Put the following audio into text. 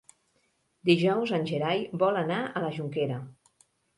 Dijous en Gerai vol anar a la Jonquera.